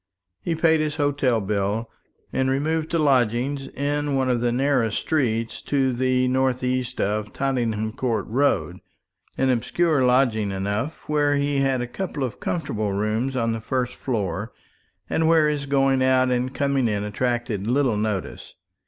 He paid his hotel bill, and removed to lodgings in one of the narrow streets to the north east of Tottenham Court Road; an obscure lodging enough, where he had a couple of comfortable rooms on the first floor, and where his going out and coming in attracted little notice.